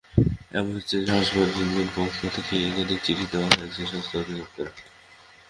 Ambulance চেয়ে হাসপাতালটির পক্ষ থেকে একাধিক চিঠি দেওয়া হয়েছে স্বাস্থ্য অধিদপ্তরে।